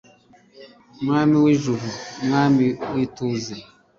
mwami w'ijuru, mwami w'ituze